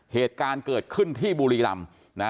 เหตุการณ์เกิดขึ้นที่บุรีรำ